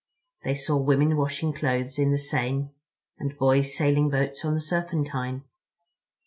They saw women washing clothes in the Seine, and boys sailing boats on the Serpentine.